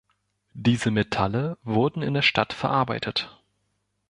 Diese Metalle wurden in der Stadt verarbeitet.